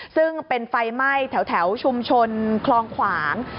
ซึ่งเป็นไฟไหม้แถวชุมชนคลองขวาง